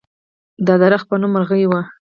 دا د رخ په نوم مرغۍ وه.